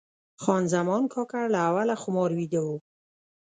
خان زمان کاکړ له اوله خمار ویده و.